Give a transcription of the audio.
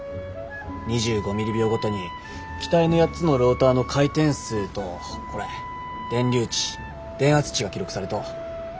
２５ミリ秒ごとに機体の８つのローターの回転数とこれ電流値電圧値が記録されとう。